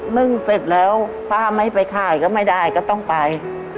นึ่งเสร็จแล้วป้าไม่ไปขายก็ไม่ได้ก็ต้องไป